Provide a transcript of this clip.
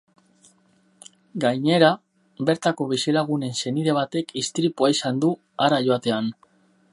Gainera, bertako bizilagunen senide batek istripua izan du hara joatean.